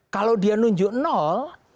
kalau dia nunjuk nol